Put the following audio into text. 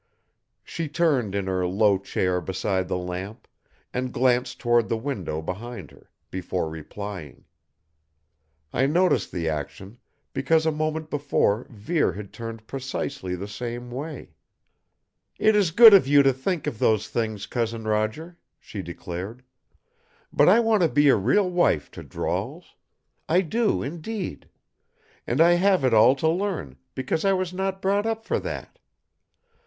She turned in her low chair beside the lamp and glanced toward the window behind her, before replying. I noticed the action, because a moment before Vere had turned precisely the same way. "It is good of you to think of those things, Cousin Roger," she declared. "But, I want to be a real wife to Drawls. I do, indeed! And I have it all to learn because I was not brought up for that.